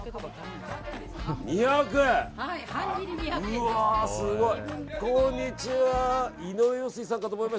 うわ、すごい！